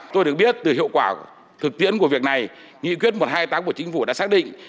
tôi được biết từ hiệu quả thực tiễn của việc này nghị quyết một trăm hai mươi tám của chính phủ đã xác định